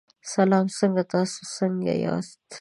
سلام څنګه تاسو څنګه یاست.